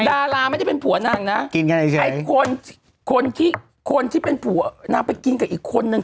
ดาราไม่ได้เป็นผัวนางนะไอ้คนที่คนที่เป็นผัวนางไปกินกับอีกคนนึง